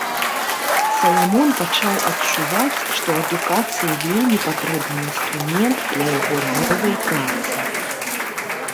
Саламон пачаў адчуваць, што адукацыя вельмі патрэбны інструмент для яго новай працы.